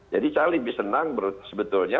jadi cara lebih senang sebetulnya